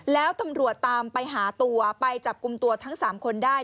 แล้วตำรวจตามไปหาตัวไปจับกลุ่มตัวทั้ง๓คนได้